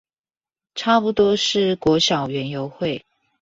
差不多是國小園遊會